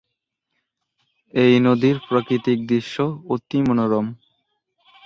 এই নদীর প্রাকৃতিক দৃশ্য অতি মনোরম।